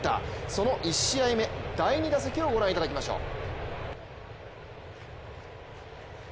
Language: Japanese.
その１試合目、第２打席をご覧いただきましょう。